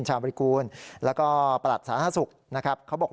ออชาวริกูลและประหลัดสถานศัษฐ์สุข